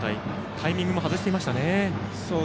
タイミングも外していましたね。